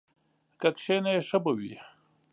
که کښېنې ښه به وي!